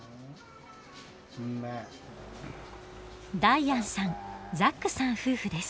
ダイアンさんザックさん夫婦です。